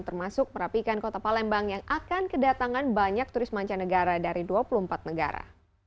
termasuk merapikan kota palembang yang akan kedatangan banyak turis mancanegara dari dua puluh empat negara